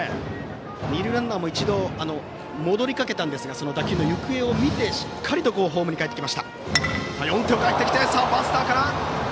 二塁ランナーも一度戻りかけたんですが打球の行方を見て、しっかりホームにかえってきました。